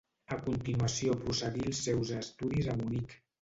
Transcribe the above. A continuació prosseguí els seus estudis a Munic.